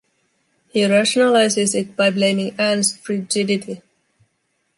He rationalizes it by blaming Ann's frigidity.